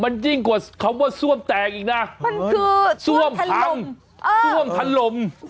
มันยิ่งกว่าคำว่าซ่อมแตกอีกนะซ่อมทันลม